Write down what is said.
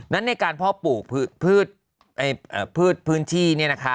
ในการพ่อปลูกพืชพื้นที่